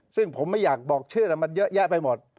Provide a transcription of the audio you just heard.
ซึ่งผมไม่อยากบอกชื่อแล้วมันเยอะแยะไปหมด